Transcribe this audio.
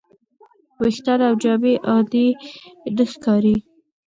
ویښتان او جامې عادي نه ښکاري.